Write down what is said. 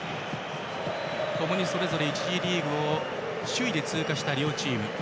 共にそれぞれ１次リーグ首位で通過した両チーム。